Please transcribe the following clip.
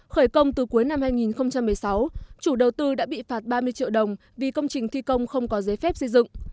khởi công từ cuối năm hai nghìn một mươi sáu chủ đầu tư đã bị phạt ba mươi triệu đồng vì công trình thi công không có giấy phép xây dựng